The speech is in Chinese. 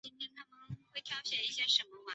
厌食症确诊的必要条件为明显过低的体重。